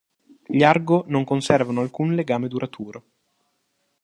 Gli argo non conservano alcun legame duraturo.